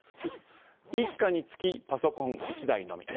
一家につきパソコン１台のみ。